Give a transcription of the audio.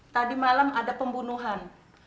tadi malam ada pembunuhan